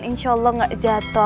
insya allah nggak jatuh